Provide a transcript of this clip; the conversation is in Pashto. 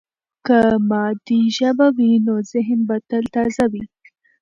که مادي ژبه وي، نو ذهن به تل تازه وي.